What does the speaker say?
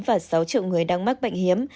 và sáu triệu người đang mắc bệnh hiếm